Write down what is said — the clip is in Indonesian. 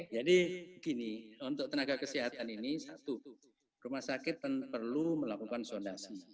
jadi begini untuk tenaga kesehatan ini satu rumah sakit perlu melakukan zonasi